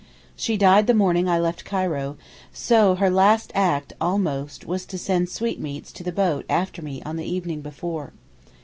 She died the morning I left Cairo, so her last act almost was to send sweetmeats to the boat after me on the evening before.